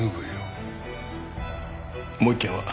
もう一件は？